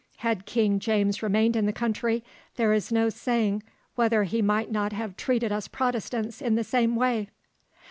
Had King James remained in the country, there is no saying whether he might not have treated us Protestants in the same way."